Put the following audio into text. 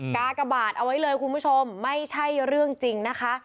กากบาทเอาไว้เลยคุณผู้ชมไม่ใช่เรื่องจริงนะคะ